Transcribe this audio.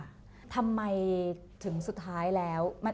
อเรนนี่แหละอเรนนี่แหละ